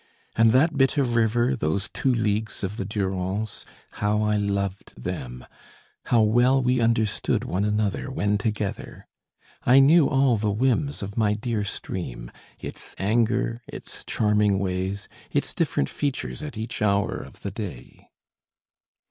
And that bit of river, those two leagues of the Durance, how I loved them, how well we understood one another when together! I knew all the whims of my dear stream, its anger, its charming ways, its different features at each hour of the day.